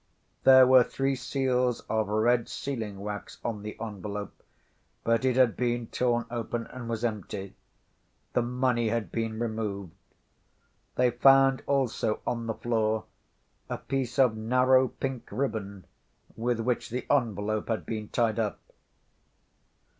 There were three seals of red sealing‐wax on the envelope, but it had been torn open and was empty: the money had been removed. They found also on the floor a piece of narrow pink ribbon, with which the envelope had been tied up.